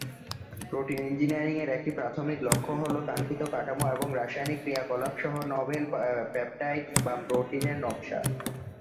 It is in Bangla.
প্রোটিন ইঞ্জিনিয়ারিংয়ের একটি প্রাথমিক লক্ষ্য হ'ল কাঙ্ক্ষিত কাঠামো এবং রাসায়নিক ক্রিয়াকলাপ সহ নভেল পেপটাইড বা প্রোটিনের নকশা।